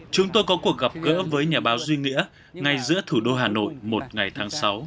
chúng tôi có cuộc gặp gỡ với nhà báo duy nghĩa ngay giữa thủ đô hà nội một ngày tháng sáu